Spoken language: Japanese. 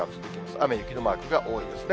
雨、雪のマークが多いですね。